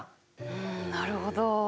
んなるほど。